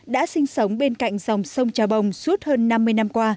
đã sinh sống bên cạnh dòng sông trà bồng suốt hơn năm mươi năm qua